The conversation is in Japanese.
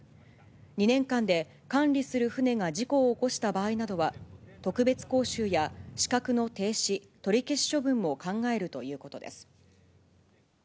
２年間で管理する船が事故を起こした場合などは、特別講習や資格の停止、取り消し処分も考えるということです。